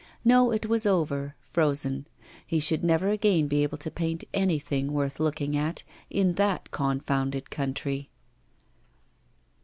No, it was over, frozen, he should never again be able to paint anything worth looking at in that confounded country!